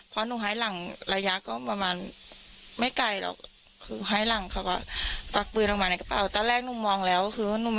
พอหนูหายหลังระยะก็ประมาณไม่ไกลหรอก